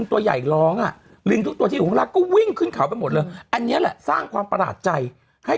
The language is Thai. ใช่มันไม่ขึ้นสูงขนาดนี้